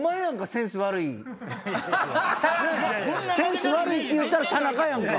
センス悪いって言うたら田中やんか。